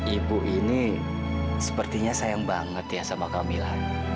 ibu ini sepertinya sayang banget ya sama kak mila